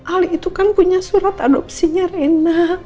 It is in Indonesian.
ali itu kan punya surat adopsinya rena